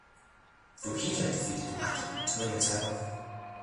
Fujita defeated Akki to win the title.